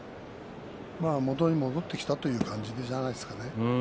元に戻ってきたという感じじゃないですかね。